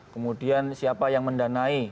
kemudian siapa yang mendanai